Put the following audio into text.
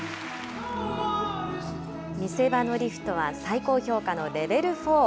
見せ場のリフトは、最高評価のレベルフォー。